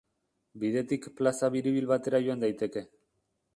Bidetik plaza biribil batera joan daiteke.